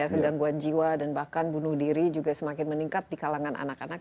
kegangguan jiwa dan bahkan bunuh diri juga semakin meningkat di kalangan anak anak